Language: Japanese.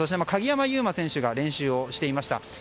鍵山優真選手が練習をしていました。